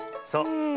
そう。